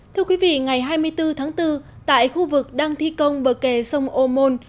thưa quý vị ngày hai mươi bốn tháng bốn tại khu vực đang thi công bờ kè sông ô môn